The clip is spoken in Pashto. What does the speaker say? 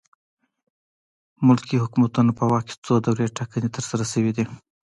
ملکي حکومتونو په وخت کې څو دورې ټاکنې ترسره شوې.